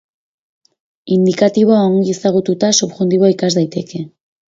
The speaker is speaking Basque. Indikatiboa ongi ezagututa, subjuntiboa ikas daiteke.